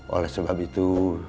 oleh sebab itu